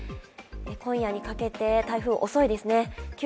今夜にかけて台風、遅いですね。